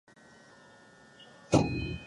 X 軸 Y 軸